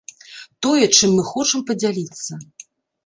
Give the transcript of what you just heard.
Тое, чым мы хочам падзяліцца.